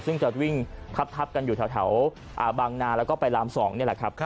ซึ่งจะวิ่งทับกันอยู่แถวบางนาแล้วก็ไปราม๒นี่แหละครับ